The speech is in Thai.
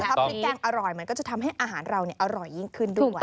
ถ้าพริกแกงอร่อยมันก็จะทำให้อาหารเราอร่อยยิ่งขึ้นด้วย